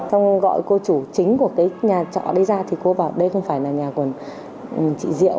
xong gọi cô chủ chính của cái nhà trọ đây ra thì cô bảo đây không phải là nhà của chị diệu